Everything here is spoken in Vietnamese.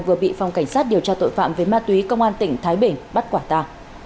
vừa bị phòng cảnh sát điều tra tội phạm về ma túy công an tỉnh thái bình bắt quả ta